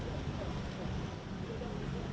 hampir sama dengan perhitungan pilkon